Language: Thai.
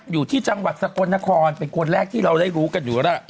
อยู่ที่จังหวัดสกลนครเป็นคนแรกที่เราได้รู้กันอยู่แล้ว